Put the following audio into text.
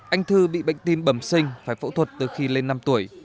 anh thư bị bệnh tim bẩm sinh phải phẫu thuật từ khi lên năm tuổi